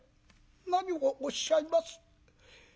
「何をおっしゃいます。